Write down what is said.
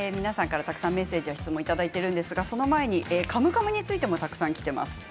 たくさんメッセージや質問をいただいているんですがその前に「カムカム」についてもたくさんきています。